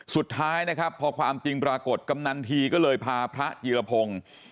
สุดท้ายนะครับพอความจริงปรากฏกำนันทีก็เลยพาพระจิรพงศ์